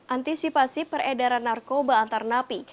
antisipasi peredaran narkoba antar napi